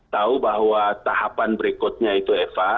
tahu bahwa tahapan berikutnya itu eva